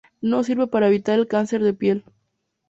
No sirve para evitar el cáncer de piel.